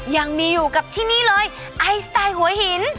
ยังมีอยู่กับที่นี่เลยไอสไตล์หัวหิน